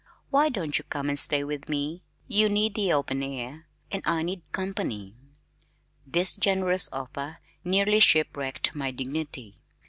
Why don't you come and stay with me? You need the open air, and I need company." This generous offer nearly shipwrecked my dignity.